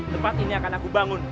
tempat ini akan aku bangun